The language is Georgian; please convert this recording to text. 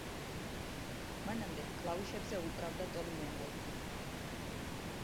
მანამდე, კლავიშებზე უკრავდა ტომი მენდელი.